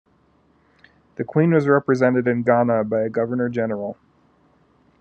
The Queen was represented in Ghana by a Governor-General.